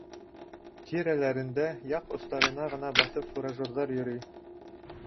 Тирәләрендә яҡ остарына ғына баҫып фуражерҙар йөрөй.